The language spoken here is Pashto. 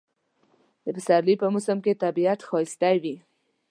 د پسرلی په موسم کې طبیعت ښایسته وي